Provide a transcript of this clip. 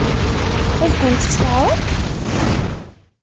Ad kent-tt-teɛṛeḍ?